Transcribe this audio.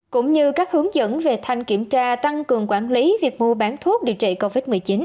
cũng như các hướng dẫn về thanh kiểm tra tăng cường quản lý việc mua bán thuốc điều trị covid một mươi chín